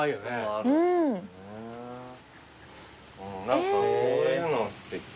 何かこういうのすてき。